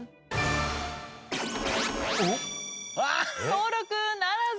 登録ならず。